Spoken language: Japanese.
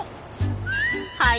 はい。